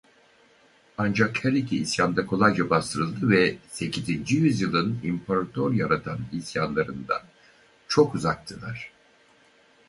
Ancak her iki isyan da kolayca bastırıldı ve sekizinci yüzyılın imparator yaratan isyanlarından çok uzaktılar.